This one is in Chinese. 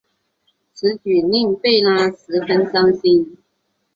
此举令贝拉十分伤心。